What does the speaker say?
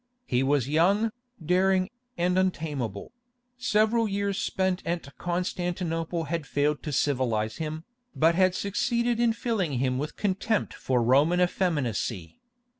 He was young, daring, and untameable; several years spent at Constantinople had failed to civilize him, but had succeeded in filling him with contempt for Roman effeminacy.